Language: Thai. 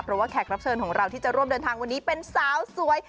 เพราะว่าแขกรับเชิญของเราที่จะร่วมเดินทางวันนี้เป็นสาวสวย